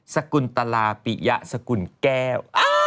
สกุลตลาปิยะสกุลแก้ว